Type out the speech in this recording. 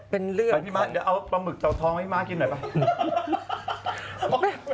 ไปที่มาเดี่ยวเอาปลาหมึกเจ้าทองไว้ที่มากินหน่อยค่ะ